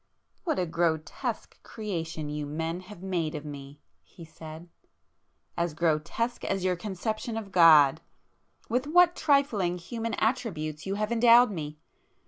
"What a grotesque creation you men have made of Me!" he said—"As grotesque as your conception of God! With what trifling human attributes you have endowed me!